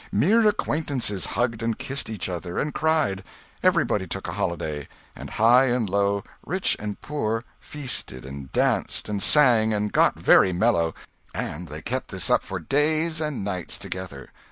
Mere acquaintances hugged and kissed each other and cried. Everybody took a holiday, and high and low, rich and poor, feasted and danced and sang, and got very mellow; and they kept this up for days and nights together.